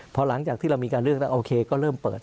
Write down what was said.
พอหลังจากที่เรามีการเลือกแล้วโอเคก็เริ่มเปิด